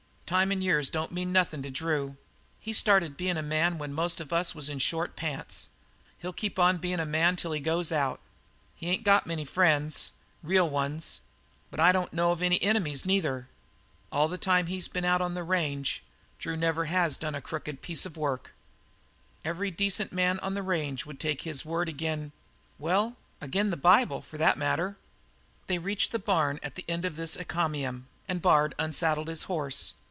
Time and years don't mean nothin' to Drew. He started bein' a man when most of us is in short pants; he'll keep on bein' a man till he goes out. He ain't got many friends real ones but I don't know of any enemies, neither. All the time he's been on the range Drew has never done a crooked piece of work. Every decent man on the range would take his word ag'in' well, ag'in' the Bible, for that matter." They reached the barn at the end of this encomium, and Bard unsaddled his horse.